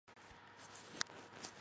建阳人。